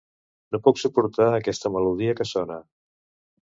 No puc suportar aquesta melodia que sona.